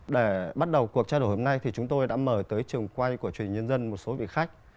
để bắt đầu cuộc trao đổi hôm nay thì chúng tôi đã mời tới trường quay của truyền hình nhân dân một số vị khách